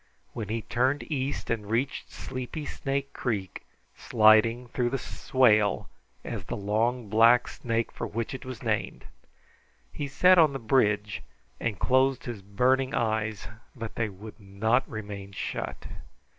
When he turned east and reached Sleepy Snake Creek, sliding through the swale as the long black snake for which it was named, he sat on the bridge and closed his burning eyes, but they would not remain shut.